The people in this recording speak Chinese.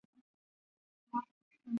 广东壬午乡试。